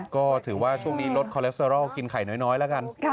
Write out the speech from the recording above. ก็ถือว่าช่วงนี้ลดคอเลสเตอรอลกินไข่น้อยแล้วกัน